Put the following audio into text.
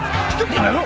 この野郎。